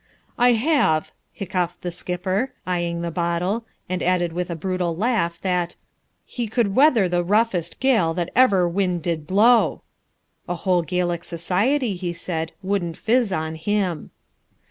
"I have," hiccoughed the skipper, eyeing the bottle, and added with a brutal laugh that "he could weather the roughest gale that ever wind did blow." A whole Gaelic society, he said, wouldn't fizz on him.